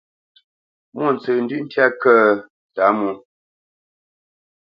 Mwôntsəndʉ̂ʼ ntyá kə̂ ə́ Tǎmwō?